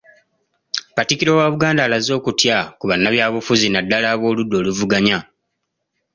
Katikkiro wa Buganda alaze okutya ku bannabyabufuzi naddala ab’oludda oluvuganya